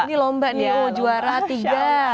ini lomba nih juara tiga